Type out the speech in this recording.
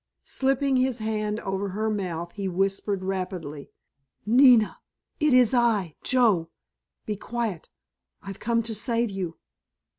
Slipping his hand over her mouth he whispered rapidly, "Nina, it is I, Joe; be quiet, I've come to save you!"